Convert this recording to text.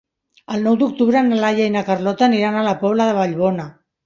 El nou d'octubre na Laia i na Carlota aniran a la Pobla de Vallbona.